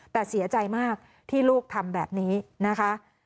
แต่เสียใจมากที่ลูกทำแบบนี้นะคะ